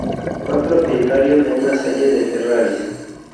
Fue propietario de una serie de Ferraris.